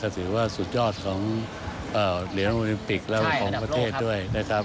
ก็ถือว่าสุดยอดของเอ่อเดี๋ยวอลิมปิกแล้วของประเทศด้วยนะครับ